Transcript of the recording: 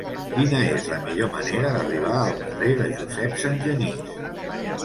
Quina és la millor manera d'arribar al carrer de Josep Sangenís?